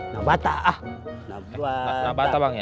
nah bata ale ale katro